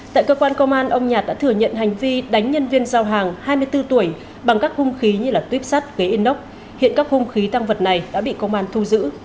tại cơ quan công an ông nhạt đã thừa nhận hành vi đánh nhân viên giao hàng hai mươi bốn tuổi bằng các hung khí như tuyếp sắt ghế inox hiện các hung khí tăng vật này đã bị công an thu giữ